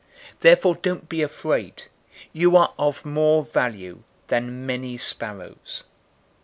Therefore don't be afraid. You are of more value than many sparrows.